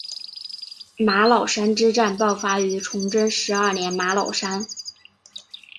玛瑙山之战爆发于崇祯十二年玛瑙山。